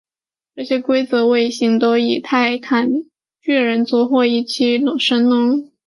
这些规则卫星都以泰坦巨人族或其他与农神萨图尔努斯相关的神只之名来命名。